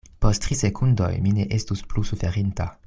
Post tri sekundoj mi ne estus plu suferinta.